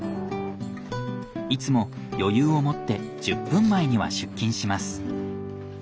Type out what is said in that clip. いつも余裕を持って１０分前には出勤します。